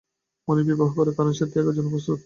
মানুষ বিবাহ করে, কারণ সে ত্যাগের জন্য প্রস্তুত।